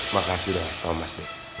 makasih dah mas thomas